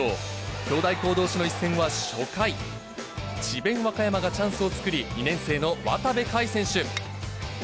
兄弟校どうしの一戦は初回、智弁和歌山がチャンスを作り、２年生の渡部海選手。